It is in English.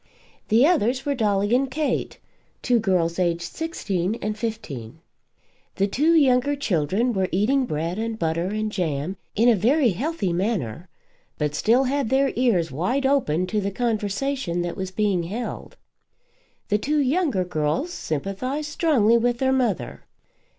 The others were Dolly and Kate, two girls aged sixteen and fifteen. The two younger "children" were eating bread and butter and jam in a very healthy manner, but still had their ears wide open to the conversation that was being held. The two younger girls sympathised strongly with their mother.